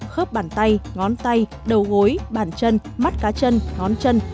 khớp bàn tay ngón tay đầu gối bàn chân mắt cá chân ngón chân